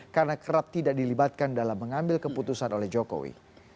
karena kerap tidak dilibatkan dalam mengambil keputusan oleh jokowi